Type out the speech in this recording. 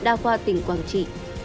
đa khoa tỉnh quảng trị